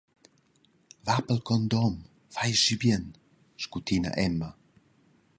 «Va per il condom, fai aschi bien», scutina Emma.